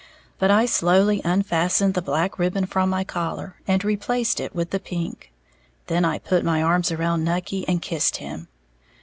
But I slowly unfastened the black ribbon from my collar, and replaced it with the pink. Then I put my arms around Nucky, and kissed him.